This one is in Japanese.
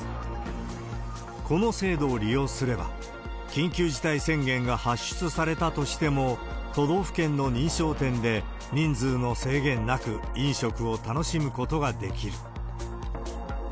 この制度を利用すれば、緊急事態宣言が発出されたとしても、都道府県の認証店で人数の制限なく、飲食を楽しむことができる。